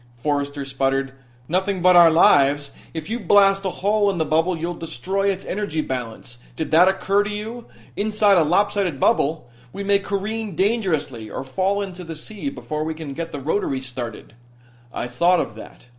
Forrester sputtered: "Nothing but our lives! If you blast a hole in the bubble you'll destroy its energy balance. Did that occur to you? Inside a lopsided bubble we may careen dangerously or fall into the sea before we can get the rotaries started." "I thought of that.